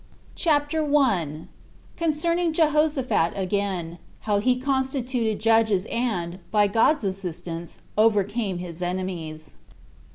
CHAPTER 1. Concerning Jehoshaphat Again; How He Constituted Judges And, By God's Assistance Overcame His Enemies.